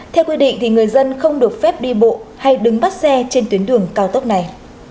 theo quy định thì người dân không được phép đi bộ hay đứng bắt xe trên tuyến đường cao tốc này